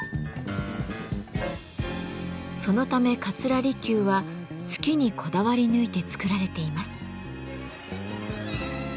そのため桂離宮は月にこだわり抜いて造られています。